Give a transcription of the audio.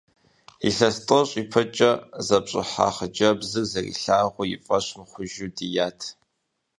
Илъэс тӏощӏ ипэкӏэ зэпщӏыхьа хъыджэбзыр зэрилъагъур и фӏэщ мыхъужу дият.